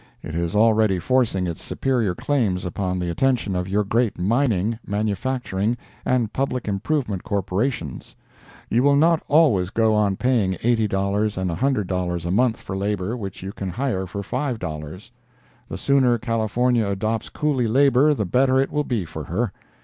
It is already forcing its superior claims upon the attention of your great mining, manufacturing and public improvement corporations. You will not always go on paying $80 and $100 a month for labor which you can hire for $5. The sooner California adopts Coolie labor the better it will be for her.